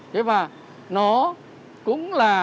thế và nó cũng là